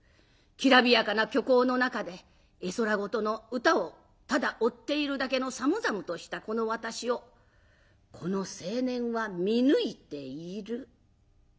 きらびやかな虚構の中で絵空事の歌をただ追っているだけの寒々としたこの私をこの青年は見抜いている。